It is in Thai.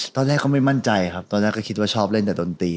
ตอนแรกเขาไม่มั่นใจครับตอนแรกก็คิดว่าชอบเล่นแต่ดนตรี